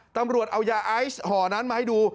ตำรวจเอายาไอซ์ห่อนั้นมาให้ดู